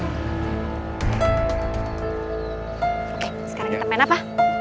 oke sekarang kita main apa